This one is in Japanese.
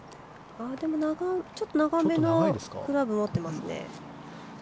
でも、ちょっと長めのクラブを持ってますね。